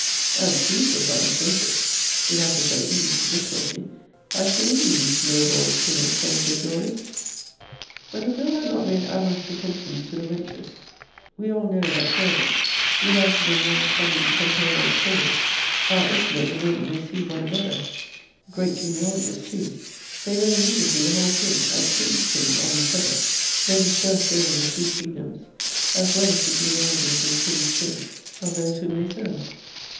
'* And true says honest Joseph did I prefer ease to difficulty, I should envy these low born sinners some of their joys. * See Vol. III. Letter XLVII. But if Will. had not made amorous pretensions to the wenches, we all know, that servants, united in one common compare note cause, are intimate the moment they see one another great genealogists too; they know immediately the whole kin and kin's kin of each other, though dispersed over the three kingdoms, as well as the genealogies and kin's kin of those whom they serve.